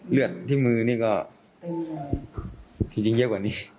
เลือดที่มือก็กะพูดเยอะกว่านี้